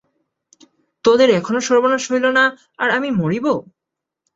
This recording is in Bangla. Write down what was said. তোদের এখনও সর্বনাশ হইল না, আর আমি মরিব!